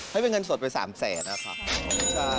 ให้เป็นเงินสดไป๓๐๐๐๐๐บาทอะค่ะ